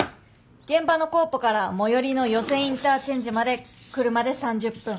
現場のコーポから最寄りの与瀬インターチェンジまで車で３０分。